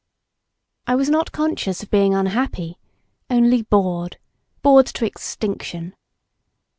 I was not conscious of being unhappy, only bored, bored to extinction.